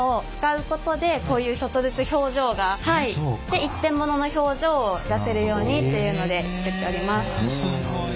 一点物の表情を出せるようにというので作っております。